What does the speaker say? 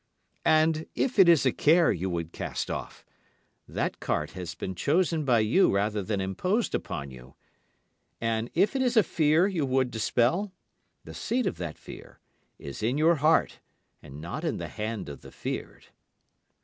And if it is a care you would cast off, that cart has been chosen by you rather than imposed upon you. And if it is a fear you would dispel, the seat of that fear is in your heart and not in the hand of the feared.